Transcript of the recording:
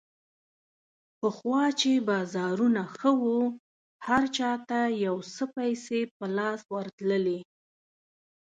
پخوا چې بازارونه ښه وو، هر چا ته یو څه پیسې په لاس ورتللې.